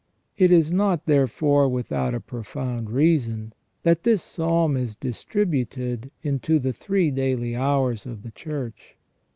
It is not, therefore, without a profound ^reason that this Psalm is distributed into the three daily hours of the Church.